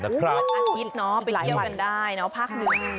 อาทิตย์เนอะไปเที่ยวกันได้เนอะภาคเหนือนะคะ